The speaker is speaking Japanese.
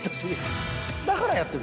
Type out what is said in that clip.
だからやってる。